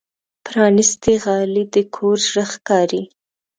پرانستې غالۍ د کور زړه ښکاري.